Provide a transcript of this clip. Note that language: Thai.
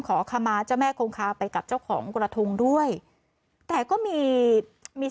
ขอขมาเจ้าแม่คงคาไปกับเจ้าของกระทงด้วยแต่ก็มีมี